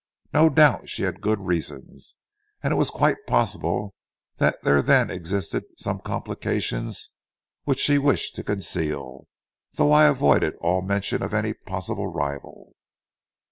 No doubt she had good reasons, and it was quite possible that there then existed some complications which she wished to conceal, though I avoided all mention of any possible rival.